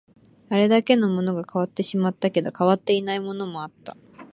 あれだけのものが変わってしまったけど、変わっていないものもあった